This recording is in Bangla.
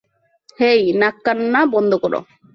হেই, নাককান্না বন্ধ কর।